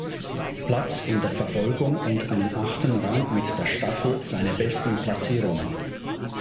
Platz in der Verfolgung und einen achten Rang mit der Staffel seine besten Platzierungen.